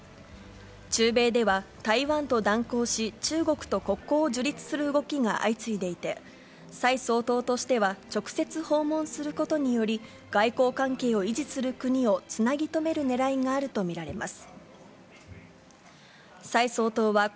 中米では、台湾と断交し、中国と国交を樹立する動きが相次いでいて、蔡総統としては、直接訪問することにより、外交関係を維持する国をつなぎ止めるねらいがあると見られます。